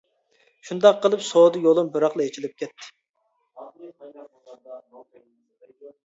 شۇنداق قىلىپ سودا يولۇم بىراقلا ئېچىلىپ كەتتى.